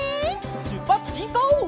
しゅっぱつしんこう！